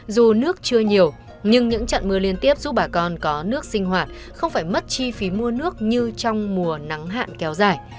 dù nước chưa nhiều nhưng những trận mưa liên tiếp giúp bà con có nước sinh hoạt không phải mất chi phí mua nước như trong mùa nắng hạn kéo dài